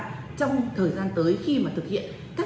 trong thời gian tới khi mà thực hiện